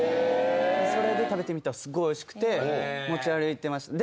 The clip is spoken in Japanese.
それで食べてみたらすごい美味しくて持ち歩いてました。